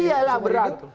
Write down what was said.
ya iya lah berat